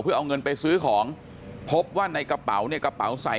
เพื่อเอาเงินไปซื้อของพบว่าในกระเป๋าเนี่ยกระเป๋าใส่